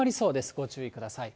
ご注意ください。